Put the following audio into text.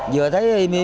vừa ra vô vô ba lần rồi